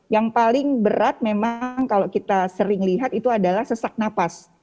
yang paling berat memang kalau kita sering lihat itu adalah sesak napas